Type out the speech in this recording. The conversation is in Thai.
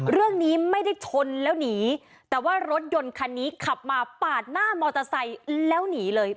เรื่องนี้ไม่ได้ชนแล้วหนีแต่ว่ารถยนต์คันนี้ขับมาปาดหน้ามอเตอร์ไซค์แล้วหนีเลย